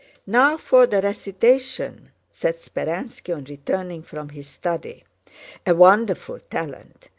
"Now for the recitation!" said Speránski on returning from his study. "A wonderful talent!"